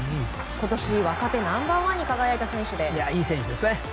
今年、若手ナンバー１に輝いた選手です。